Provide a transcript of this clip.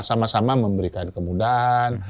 sama sama memberikan kemudahan